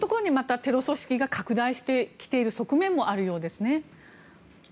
またテロ組織が拡大してきている側面もあるようですね。